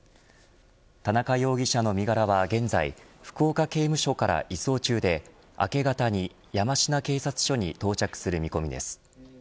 田中容疑者の身柄は現在福岡刑務所から移送中で明け方に山科警察署に到着する見込みです。